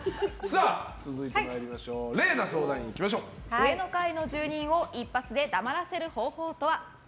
上の階の住人を一発で黙らせる方法とは？